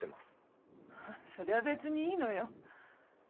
それは別にいいのよ。